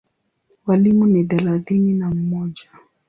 Walimu ni thelathini na mmoja.